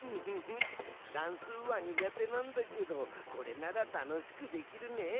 算数は苦手なんだけどこれなら楽しくできるね。